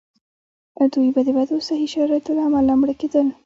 دوی به د بدو صحي شرایطو له امله مړه کېدل.